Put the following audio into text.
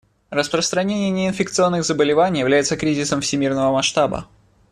Распространение неинфекционных заболеваний является кризисом всемирного масштаба.